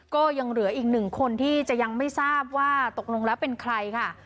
ก็ยังเหลืออีกหนึ่งคนที่จะยังไม่ทราบว่าตกลงแล้วเป็นใครค่ะ